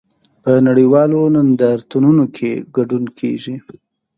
په نړیوالو نندارتونونو کې ګډون کیږي